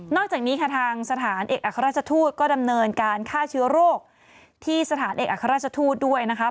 จากนี้ค่ะทางสถานเอกอัครราชทูตก็ดำเนินการฆ่าเชื้อโรคที่สถานเอกอัครราชทูตด้วยนะคะ